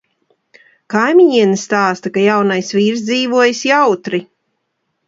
Kaimiņiene stāsta, ka jaunais vīrs dzīvojis jautri.